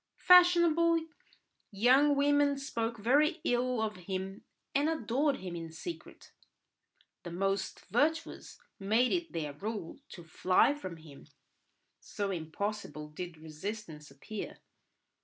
Fashionable young women spoke very ill of him and adored him in secret; the most virtuous made it their rule to fly from him, so impossible did resistance appear.